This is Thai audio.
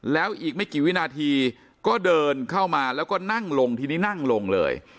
แล้วอีกไม่กี่วินาทีก็เดินเข้ามาแล้วก็นั่งลงทีนี้นั่งลงเลย